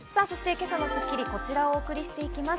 今朝の『スッキリ』はこちらをお送りしていきます。